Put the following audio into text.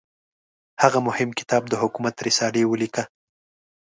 هغه مهم کتاب د حکومت رسالې ولیکه.